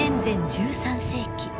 １３世紀